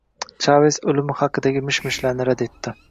Chaves o‘limi haqidagi mish-mishlarni rad etdi